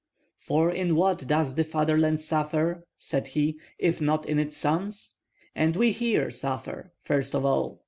"For in what does the fatherland suffer," said he, "if not in its sons? and we here suffer, first of all.